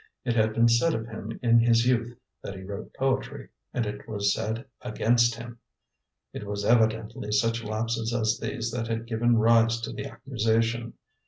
It had been said of him in his youth that he wrote poetry and it was said against him. It was evidently such lapses as these that had given rise to the accusation.